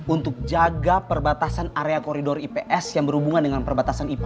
untuk jaga perbatasan area koridor ips yang berhubungan dengan perbatasan ips